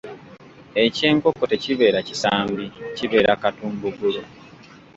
Eky’enkoko tekibeera kisambi, kibeera katumbugulu.